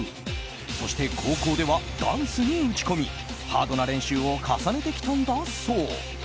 そして高校ではダンスに打ち込みハードな練習を重ねてきたんだそう。